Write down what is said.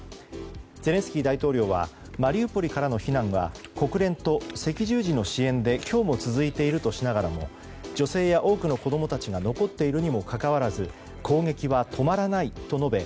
ゼレンスキー大統領はマリウポリからの避難は国連と赤十字の支援で今日も続いているとしながらも女性や多くの子供たちが残っているにもかかわらず攻撃は止まらないと述べ